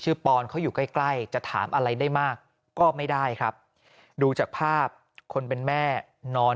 ปอนเขาอยู่ใกล้ใกล้จะถามอะไรได้มากก็ไม่ได้ครับดูจากภาพคนเป็นแม่นอน